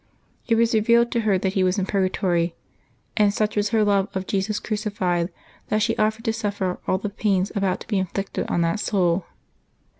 It was revealed to her that he was in purgatory; and such was her love of Jesus crucified that she offered to suffer all the pains about to be inflicted on that soul.